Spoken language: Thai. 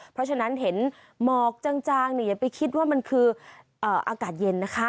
เพราะฉะนั้นเห็นหมอกจางอย่าไปคิดว่ามันคืออากาศเย็นนะคะ